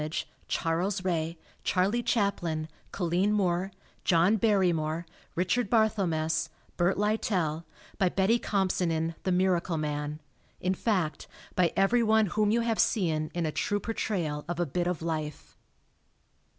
ee, Charles Ray, Charlie Chaplin, Colleen Moore, John Barrymore, Richard Barthel mess, Bert Lytell, by Betty Compson in "The Miracle Man" in fact, by everyone whom you have seen in a true portrayal of a bit of life.